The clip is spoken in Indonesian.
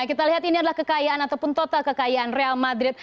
kita lihat ini adalah kekayaan ataupun total kekayaan real madrid